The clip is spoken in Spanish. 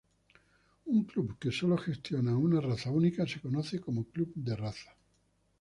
Un club que sólo gestiona una raza única se conoce como "Club de Raza".